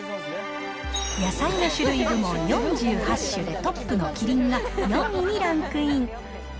野菜の種類部門４８種でトップのキリンが、４位にランクイン。